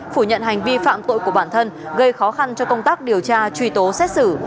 phủ nhận hành vi phạm tội của bản thân gây khó khăn cho công tác điều tra truy tố xét xử